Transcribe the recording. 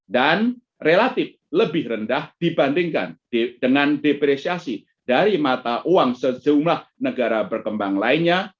dan relatif lebih rendah dibandingkan dengan depresiasi dari mata uang sejumlah negara berkembang lainnya